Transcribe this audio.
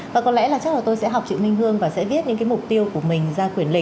và có lẽ là chắc là tôi sẽ học chị minh hương và sẽ viết những mục tiêu của mình ra quyển lịch